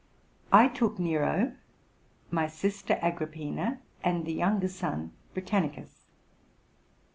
I took Nero, my sister Agrippina, and the younger son Britannicus.